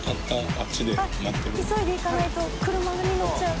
あっ急いで行かないと車に乗っちゃう。